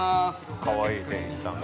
◆かわいい店員さんが。